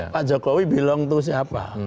pak jokowi bilang itu siapa